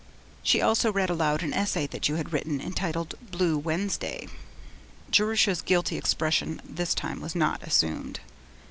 She also read aloud an essay that you had written entitled, "Blue Wednesday".' Jerusha's guilty expression this time was not assumed.